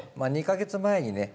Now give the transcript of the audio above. ２か月前にね